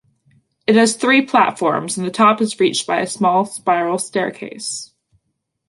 It has three platforms and the top is reached by a small spiral staircase.